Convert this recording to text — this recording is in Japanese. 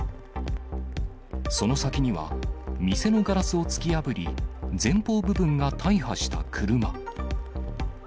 その先には、店のガラスを突き破り、前方部分が大破した車。